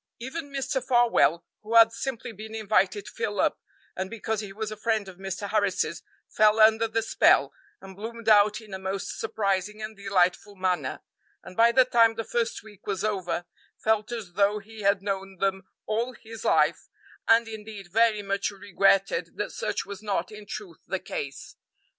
Even Mr. Farwell, who had simply been invited to fill up and because he was a friend of Mr. Harris's, fell under the spell, and bloomed out in a most surprising and delightful manner, and by the time the first week was over felt as though he had known them all all his life, and, indeed, very much regretted that such was not in truth the case.